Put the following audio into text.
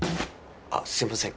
あっすいません